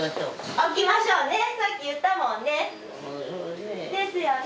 起きましょうねさっき言ったもんね。ですよね。